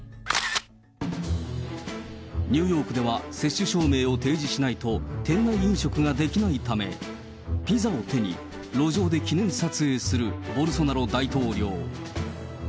ニューヨークでは接種証明を提示しないと、店内飲食ができないため、ピザを手に、路上で記念撮影するボルソナロ大統領。